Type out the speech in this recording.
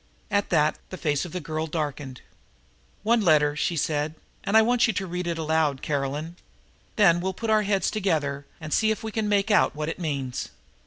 At that the face of the girl darkened. "One letter," she said, "and I want you to read it aloud, Caroline. Then we'll all put our heads together and see if we can make out what it means."